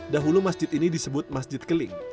dahulu masjid ini disebut masjid keling